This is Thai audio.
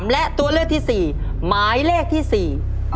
และตัวเลือกที่๔หมายเลขที่๔